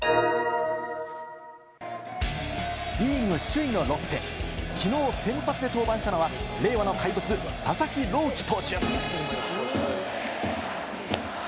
リーグ首位のロッテ、きのう先発で登板したのは、令和の怪物・佐々木朗希投手。